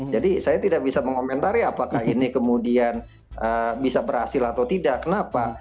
jadi saya tidak bisa mengomentari apakah ini kemudian bisa berhasil atau tidak kenapa